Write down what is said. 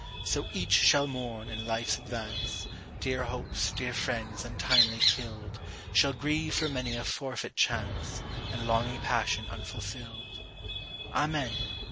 So each shall mourn, in life's advance, Dear hopes, dear friends, untimely killed; Shall grieve for many a forfeit chance, And longing passion unfulfilled. Amen!